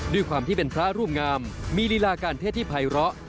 ด้วยความที่เป็นพระร่วมงามมีลีลาการเทศที่ภัยร้อ